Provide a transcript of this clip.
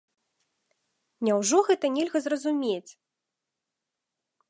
Няўжо гэта нельга зразумець?